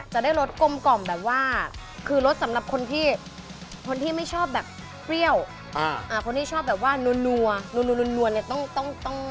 ใครจะไปทำได้อร่อยไหมย้างปากกันอ๋อขนร้อน